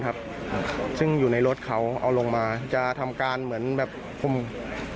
ครับซึ่งอยู่ในรถเขาเอาลงมาจะทำการเหมือนแบบผม